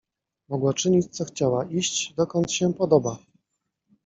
Mogła czynić, co chciała, iść, dokąd się podoba…